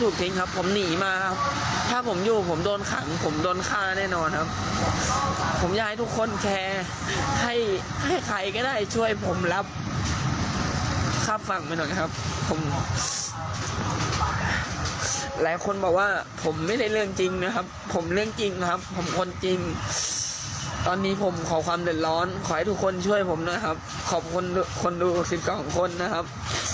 ขอให้ทุกคนช่วยผมนะครับขอบคุณคนรู้๑๒คนนะครับ